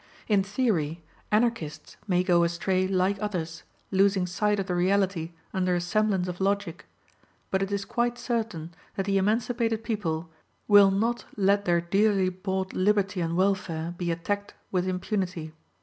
In theory, Anarchists may go astray like others, losing sight of the reality under a semblance of logic; but it is quite certain that the emancipated people will not let their dearly bought liberty and welfare be attacked with impunity.